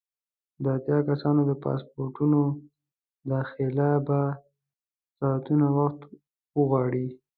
د اتیا کسانو د پاسپورټونو داخله به ساعتونه وخت وغواړي.